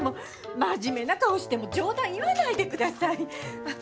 真面目な顔して冗談、言わないでください。